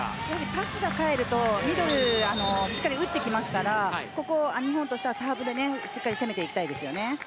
パスが返ると、ミドルしっかり打ってきますからここを日本としてはサーブで攻めていきたいですよね。